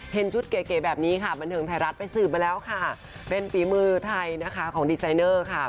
เห็นชุดเก๋แบบนี้ค่ะบันเทิงไทยรัฐไปสืบมาแล้วค่ะเป็นฝีมือไทยนะคะของดีไซเนอร์ค่ะ